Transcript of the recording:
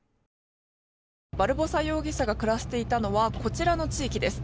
バルボサ容疑者が暮らしていたのはこちらの地域です。